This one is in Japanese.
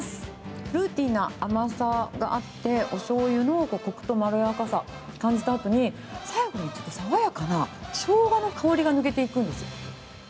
フルーティーな甘さがあって、おしょうゆのこくとまろやかさ感じたあとに、最後にちょっと爽やかなしょうがの香りが抜けていくんですよ。